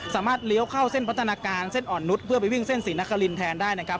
เลี้ยวเข้าเส้นพัฒนาการเส้นอ่อนนุษย์เพื่อไปวิ่งเส้นศรีนครินแทนได้นะครับ